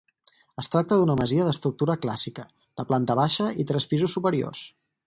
Es tracta d'una masia d'estructura clàssica, de planta baixa i tres pisos superiors.